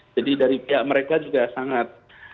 jadi dari pihak mereka juga sangat